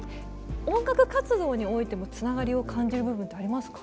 音楽活動においても繋がりを感じる部分ってありますか？